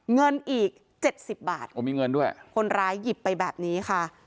เงินอีกเจ็ดสิบบาทโอ้มีเงินด้วยคนร้ายหยิบไปแบบนี้ค่ะ